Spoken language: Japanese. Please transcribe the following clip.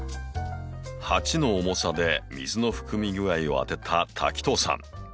鉢の重さで水の含み具合を当てた滝藤さん